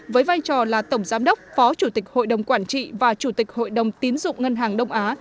với vai trò là tổng giám đốc phó chủ tịch hội đồng quản trị và chủ tịch hội đồng tiến dụng ngân hàng đông á